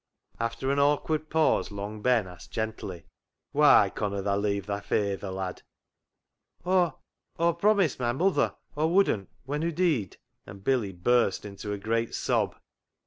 After an awkward pause, Long Ben asked gently —" Why conna tha leave thy fayther, lad ?"" Aw — Aw promised my muther Aw wouldn't, when hoo deed," and Billy burst into a great sob.